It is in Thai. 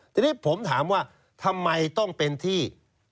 ทีนี้ผมถามว่าทำไมต้องเป็นที่